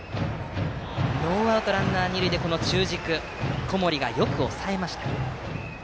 ノーアウトランナー、二塁でこの中軸を小森がよく抑えました。